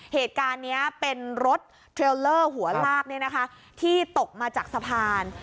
เหตุการณ์นี้เป็นรถเทรลเลอร์หัวลากที่ตกมาจากสะพาน